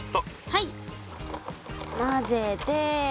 はいまぜて。